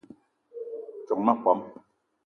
Djock ma pom